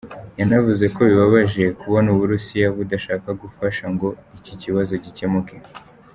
Yanavuze ko bibabaje kubona Uburusiya budashaka gufasha ngo iki kibazo gikemuke.